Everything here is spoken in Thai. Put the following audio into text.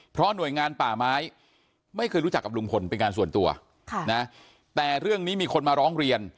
เพราะหน่วยงานป่าไม้ไม่เคยรู้จักกับลุงพลเป็นการส่วนตัวแต่เรื่องนี้มีคนมาร้องเรียน